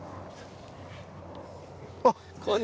あっ。